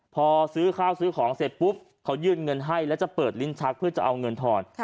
พอซื้อข้าวซื้อของเสร็จปุ๊บเขายื่นเงินให้แล้วจะเปิดลิ้นชักเพื่อจะเอาเงินทอน